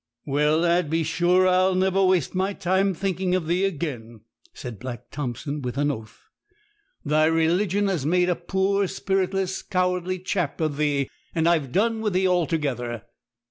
'Well, lad, be sure I'll never waste my time thinking of thee again,' said Black Thompson, with an oath; 'thy religion has made a poor, spiritless, cowardly chap of thee, and I've done with thee altogether.'